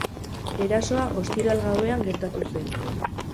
Erasoa ostiral gauean gertatu zen.